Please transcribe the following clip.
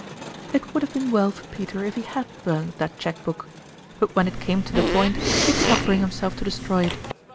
" It would have been well for IVtcr if he Lad burned tli; it clieqiie book ; but when it came to the point, he could not brin^ himself to destroy it.